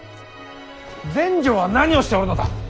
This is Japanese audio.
全成は何をしておるのだ！